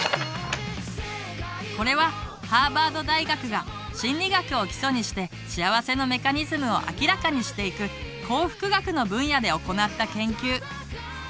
これはハーバード大学が心理学を基礎にして幸せのメカニズムを明らかにしていく「幸福学」の分野で行った研究。